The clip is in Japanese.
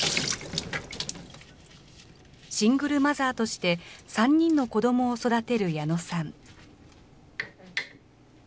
シングルマザーとして、３人の子どもを育てる矢野さん。